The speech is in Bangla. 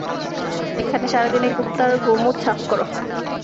এখন সারাদিন এই কুত্তার গু-মুত সাফ করো।